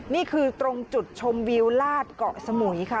นี่คือตรงจุดชมวิวลาดเกาะสมุยค่ะ